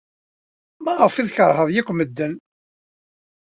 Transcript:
Maɣef ay tkeṛhed akk medden?